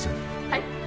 はい？